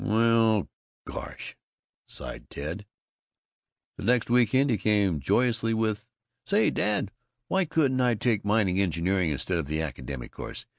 "Well gosh," sighed Ted. The next week end he came in joyously with, "Say, Dad, why couldn't I take mining engineering instead of the academic course?